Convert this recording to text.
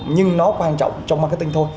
nhưng nó quan trọng trong marketing thôi